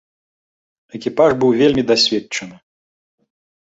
Экіпаж быў вельмі дасведчаны.